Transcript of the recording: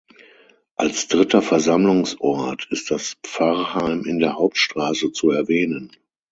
Als dritter Versammlungsort ist das Pfarrheim in der Hauptstraße zu erwähnen.